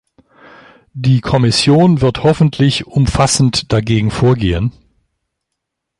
Die Kommission wird hoffentlich umfassend dagegen vorgehen.